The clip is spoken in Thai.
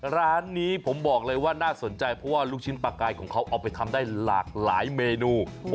ร้านนี้ผมบอกเลยว่าน่าสนใจเพราะว่าลูกชิ้นปลากายของเขาเอาไปทำได้หลากหลายเมนู